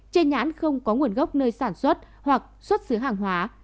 che nhãn không có nguồn gốc nơi sản xuất hoặc xuất xứ hàng hóa